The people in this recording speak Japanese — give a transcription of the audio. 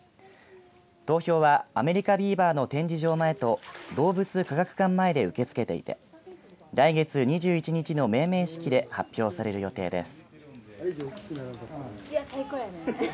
投票はアメリカビーバーの展示場前とどうぶつ科学館前で受け付けていて来月２１日の命名式で発表される予定です。